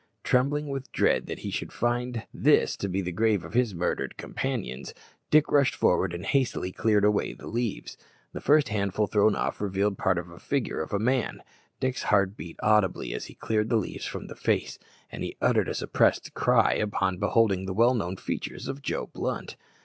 Trembling with dread that he should find this to be the grave of his murdered companions, Dick rushed forward and hastily cleared away the leaves. The first handful thrown off revealed part of the figure of a man. Dick's heart beat audibly as he cleared the leaves from the face, and he uttered a suppressed cry on beholding the well known features of Joe Blunt.